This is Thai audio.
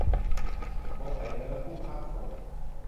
สงสัยเนื้อคู่ ข้ามศพ